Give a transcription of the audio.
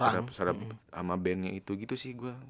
terhadap sama bandnya itu gitu sih gue